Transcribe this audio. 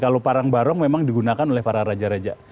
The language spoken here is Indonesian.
kalau parang barong memang digunakan oleh para raja raja